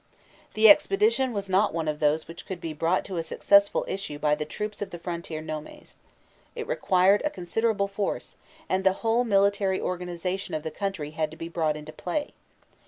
The expedition was not one of those which could be brought to a successful issue by the troops of the frontier nomes; it required a considerable force, and the whole military organization of the country had to be brought into play.